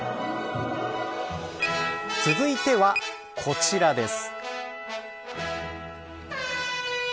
続いては、こちらです。